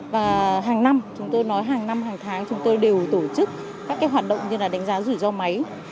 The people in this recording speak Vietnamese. và hàng năm chúng tôi nói hàng năm hàng tháng chúng tôi đều tổ chức các hoạt động như là đánh giá rủi ro máy